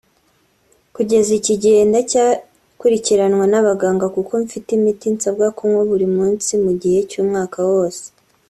Kugeza iki gihe ndacyakurikiranwa n’abaganga kuko mfite imiti nsabwa kunywa buri munsi mu gihe cy’umwaka wose